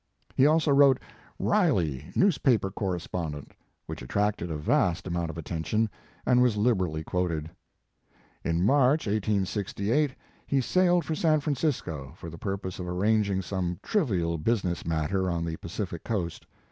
He also wrote "Riley Newspaper Corres pondent" which attracted a vast amount of attention and was liberally quoted. In March, 1868, he sailed for San Fran cisco, for the purpose of arranging some trivial business matter on the Pacific Coast.